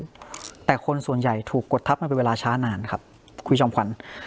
แต่คนส่วนใหญ่ถูกกดทับมาเป็นเวลาช้านานครับคุณจอมขวัญ